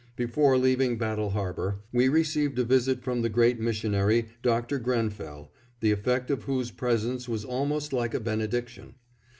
Before leaving Battle Harbor, we received a visit from the great missionary, Dr. Grenfell, the effect of whose presence was almost like a benediction.